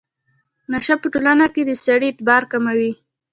نشه په ټولنه کې د سړي اعتبار کموي.